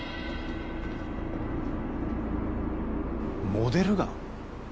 モデルガン？